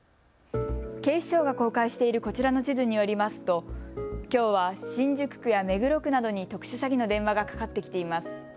警視庁が公開しているこちらの地図によりますときょうは新宿区や目黒区などに特殊詐欺の電話がかかってきています。